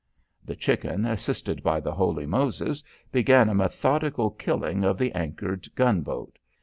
The Chicken, assisted by the Holy Moses, began a methodical killing of the anchored gunboat.